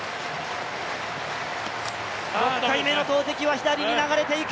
６回目の投てきは左に流れていく！